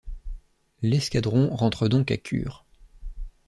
L'Escadron rentre donc à Kure.